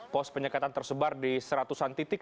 pos penyekatan tersebar di seratusan titik